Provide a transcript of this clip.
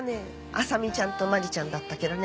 「麻美ちゃん」と「真里ちゃん」だったけどね。